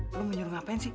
lo mau nyuruh ngapain sih